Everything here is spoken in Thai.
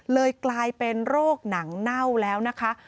เลยกลายเป็นโรคหนังเน่าแล้วนะคะ